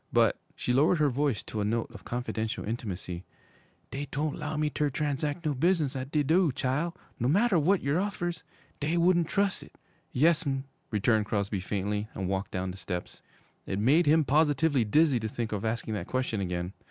But' she lowered her voice to a note of confidential intimacy 'dey doan't 'low me ter transac' no business at de do', chile, no matter w'at yer offers. Dey wouldn't trus' it!' 'Yes'm,' returned Crosby faintly, and walked down the steps. It made him positively dizzy to think of asking that question again.